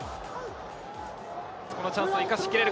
このチャンスを生かし切れる